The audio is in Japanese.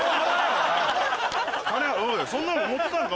おいそんなの持ってたんか？